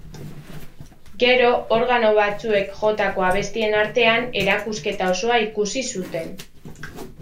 Gero, organo batzuek jotako abestien artean, erakusketa osoa ikusi zuten.